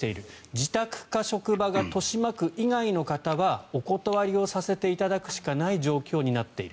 自宅か職場が豊島区以外の方はお断りをさせていただくしかない状況になっている。